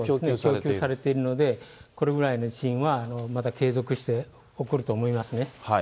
供給されているので、これくらいの地震はまだ継続して起こると思いますね。